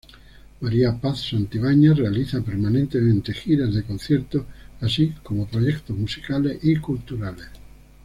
María Paz Santibáñez realiza permanentemente giras de concierto así como proyectos musicales y culturales.